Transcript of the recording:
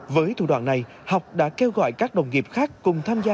với thủ đoạn này học đã kêu gọi các đồng nghiệp khác cùng tham gia